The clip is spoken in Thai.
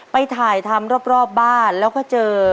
ไปถ่ายทำรอบบ้านแล้วก็เจอ